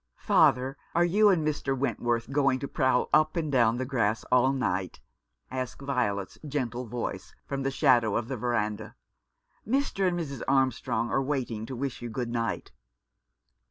"Father, are you and Mr. Wentworth going to prowl up and down the grass all night?" asked Violet's gentle voice from the shadow of the verandah. "Mr. and Mrs. Armstrong are waiting to wish you good night."